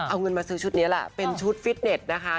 เอาเงินมาซื้อชุดนี้แหละเป็นชุดฟิตเน็ตนะคะ